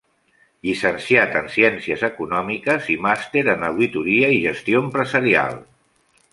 Llicenciat en ciències econòmiques i màster en auditoria i gestió empresarial.